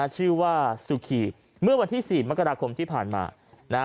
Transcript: ชื่อว่าสุขีเมื่อวันที่๔มกราคมที่ผ่านมานะฮะ